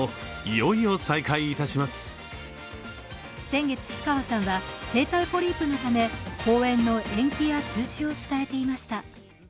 先月、氷川さんは声帯ポリープのため公演の延期や中止を伝えていました。